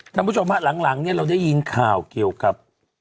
ท่านผู้ชมพ่อหลังนี่เราได้ยินข่าวเกี่ยวกับ